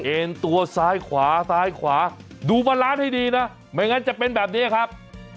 เอ็นตัวซ้ายขวาซ้ายขวาดูบาลานซ์ให้ดีนะไม่งั้นจะเป็นแบบนี้ครับ